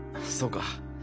そうか。